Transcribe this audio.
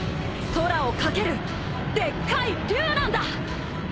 空を駆けるでっかい龍なんだ！